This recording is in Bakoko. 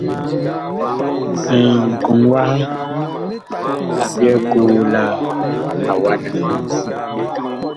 Nkɔŋ waha a byɛɛ koo la awanda.